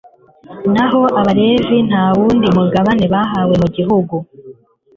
naho abalevi nta wundi mugabane bahawe mu gihugu